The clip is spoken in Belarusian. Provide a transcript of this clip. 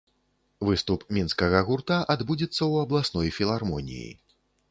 Выступ мінскага гурта адбудзецца ў абласной філармоніі.